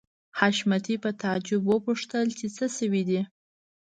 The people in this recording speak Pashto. حشمتي په تعجب وپوښتل چې څه شوي دي